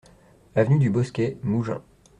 Avenue du Bosquet, Mougins